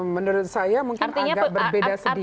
menurut saya mungkin agak berbeda sedikit